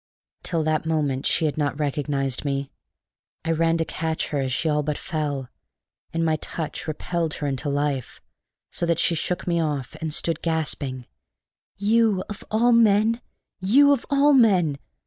Till that moment she had not recognized me. I ran to catch her as she all but fell. And my touch repelled her into life, so that she shook me off, and stood gasping: "You, of all men! You, of all men!"